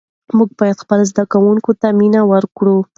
موږ باید خپلو زده کوونکو ته مینه ورکړو.